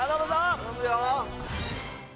頼むよ。